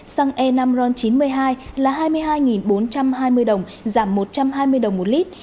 xăng e năm ron chín mươi hai là hai mươi hai bốn trăm hai mươi đồng giảm một trăm hai mươi đồng một lít